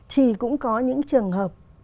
thì cũng có những trường hợp